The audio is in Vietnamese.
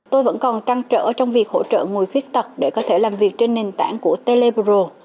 tôi vẫn còn trăng trở trong việc hỗ trợ người khuyết tật để có thể làm việc trên nền tảng của telepro